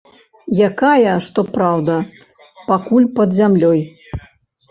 Якая, што праўда, пакуль пад зямлёй.